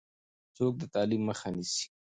څوک د تعلیم مخه نیسي؟